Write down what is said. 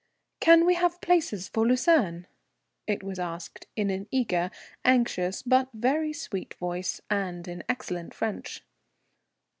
"Can we have places for Lucerne?" It was asked in an eager, anxious, but very sweet voice, and in excellent French.